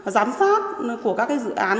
giám sát của các dự án